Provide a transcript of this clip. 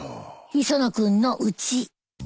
磯野君のうち。